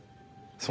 そう。